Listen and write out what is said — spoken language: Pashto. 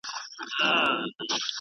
دا داستان د ژوند د حقایقو یوه مجموعه ده.